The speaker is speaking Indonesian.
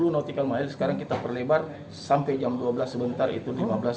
sepuluh nautical mile sekarang kita perlebar sampai jam dua belas sebentar itu lima belas